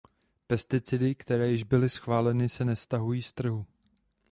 Pesticidy, které již byly schváleny, se nestahují z trhu.